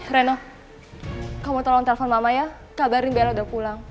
reno kamu tolong telepon mama ya kabarin belo udah pulang